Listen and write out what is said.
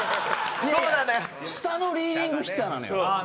下のリーディングヒッターなのよ。